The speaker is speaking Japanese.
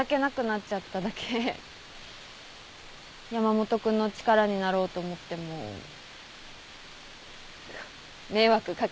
山本君の力になろうと思っても迷惑掛けるばっかりだし。